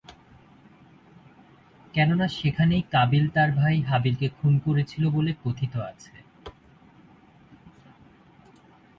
কেননা সেখানেই কাবীল তার ভাই হাবীলকে খুন করেছিল বলে কথিত আছে।